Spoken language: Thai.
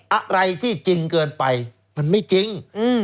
อะไรที่จริงเกินไปมันไม่จริง